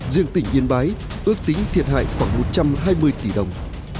riêng tỉnh yên bái ước tính thiệt hại khoảng một trăm hai mươi tỷ đồng